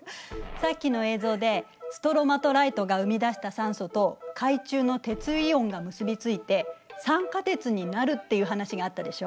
さっきの映像でストロマトライトが生み出した酸素と海中の鉄イオンが結び付いて酸化鉄になるっていう話があったでしょ。